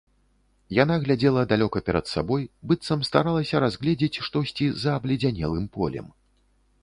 Яна глядзела далёка перад сабой, быццам старалася разгледзець штосьці за абледзянелым полем.